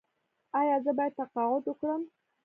ایا زه باید تقاعد وکړم؟